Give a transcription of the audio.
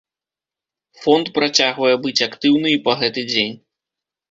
Фонд працягвае быць актыўны і па гэты дзень.